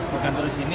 berkantor di sini